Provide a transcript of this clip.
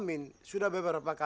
ini di jakarta ya